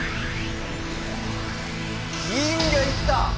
銀が行った！